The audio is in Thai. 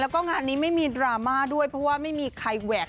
แล้วก็งานนี้ไม่มีดราม่าด้วยเพราะว่าไม่มีใครแหวก